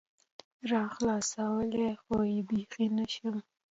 راخلاصولى خو يې بيخي نشم